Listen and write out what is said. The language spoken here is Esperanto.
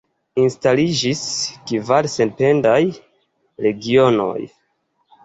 Instaliĝis kvar sendependaj regionoj.